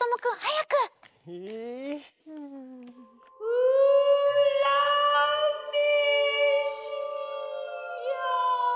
・うらめしや！